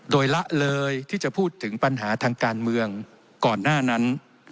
โดยละเลยที่จะพูดถึงปัญหาทางการเมืองก่อนหน้านั้น